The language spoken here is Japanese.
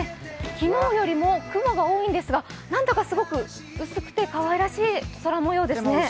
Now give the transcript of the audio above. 昨日よりも雲が多いですがなんだか薄くてかわいい空模様ですね。